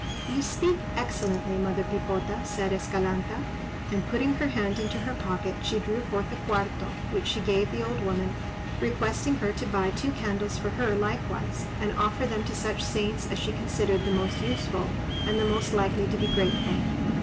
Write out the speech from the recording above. "You speak excellently, Mother Pipota," said Escalanta; and, putting her hand into her pocket, she drew forth a cuarto, which she gave the old woman, requesting her to buy two candles for her likewise, and offer them to such saints as she considered the most useful and the most likely to be grateful.